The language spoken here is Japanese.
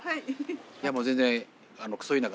いやもう全然。